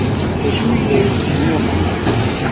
D acu i la yetteg Muḥend?